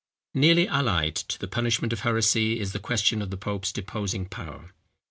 ] Nearly allied to the punishment of heresy is the question of the pope's deposing power.